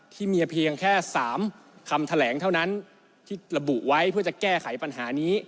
เพียงแค่๓คำแถลงเท่านั้นที่ระบุไว้เพื่อจะแก้ไขปัญหานี้